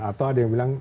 atau ada yang bilang